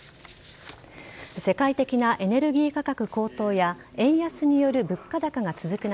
世界的なエネルギー価格高騰や円安による物価高が続く